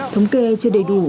thống kê chưa đầy đủ